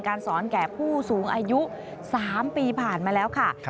สอนแก่ผู้สูงอายุ๓ปีผ่านมาแล้วค่ะ